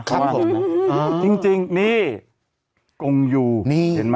ครับผมเขาว่าจริงนี่กงยูเห็นไหม